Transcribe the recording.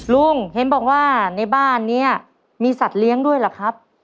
ลุงเห็นบอกว่าในบ้านนี้มีสัตว์เลี้ยงด้วยเหรอครับ